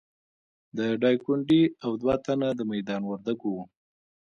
د ډایکنډي او دوه تنه د میدان وردګو وو.